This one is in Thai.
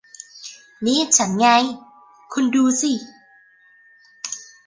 นี่ฉันไง คุณดูสิ